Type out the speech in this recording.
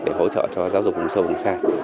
để hỗ trợ cho giáo dục vùng sâu vùng xa